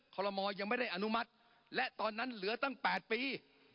ลมอลยังไม่ได้อนุมัติและตอนนั้นเหลือตั้ง๘ปี